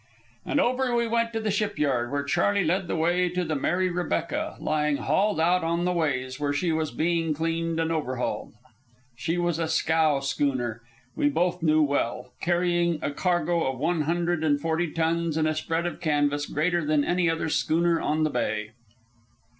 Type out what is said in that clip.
And over we went to the shipyard, where Charley led the way to the Mary Rebecca, lying hauled out on the ways, where she was being cleaned and overhauled. She was a scow schooner we both knew well, carrying a cargo of one hundred and forty tons and a spread of canvas greater than any other schooner on the bay.